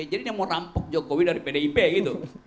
jadi dia mau rampok jokowi dari pdip gitu